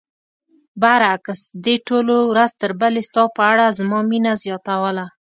برعکس دې ټولو ورځ تر بلې ستا په اړه زما مینه زیاتوله.